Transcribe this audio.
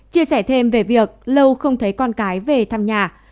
chia sẻ thêm về việc lâu không thấy con cái về thăm nhà